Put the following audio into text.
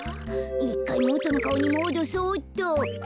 １かいもとのかおにもどそうっと。